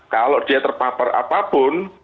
kalau dia terpapar apapun